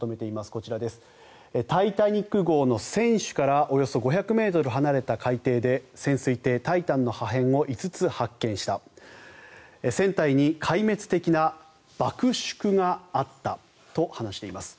こちら、「タイタニック号」の船首からおよそ５００ｍ離れた海底で潜水艇「タイタン」の破片を５つ発見した船体に壊滅的な爆縮があったと話しています。